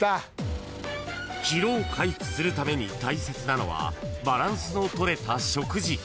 ［疲労を回復するために大切なのはバランスの取れた食事］